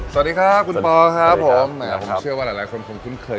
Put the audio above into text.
สวัสดีครับคุณปอครับผมแหมผมเชื่อว่าหลายคนคงคุ้นเคย